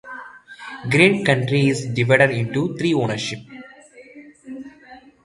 Grant County is divided into three townships.